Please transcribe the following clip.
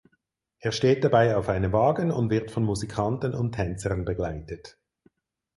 Er steht dabei auf einem Wagen und wird von Musikanten und Tänzern begleitet.